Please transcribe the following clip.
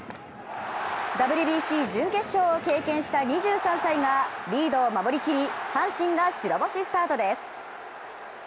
ＷＢＣ準決勝を経験した２３歳がリードを守りきり、阪神が白星スタートです。